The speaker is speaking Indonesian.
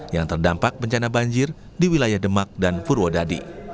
yang terdampak bencana banjir di wilayah demak dan purwodadi